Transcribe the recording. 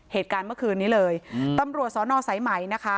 เหตุการณ์เมื่อคืนนี้เลยตำรวจสอนอสายไหมนะคะ